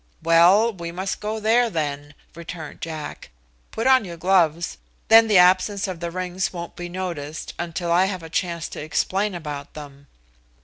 "Well, we must go there, then," returned Jack. "Put on your gloves, then the absence of the rings won't be noticed until I have a chance to explain about them."